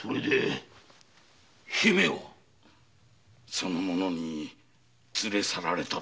その者に連れ去られたと。